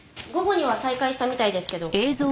午後には再開したみたいですけど。